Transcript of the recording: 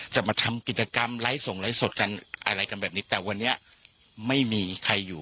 จะมาทำกิจกรรมไลฟ์ส่งไลฟ์สดกันอะไรกันแบบนี้แต่วันนี้ไม่มีใครอยู่